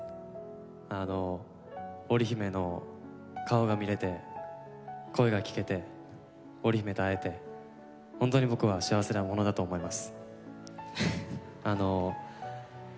あの織姫の顔が見れて声が聞けて織姫と会えてホントに僕は幸せな者だと思います。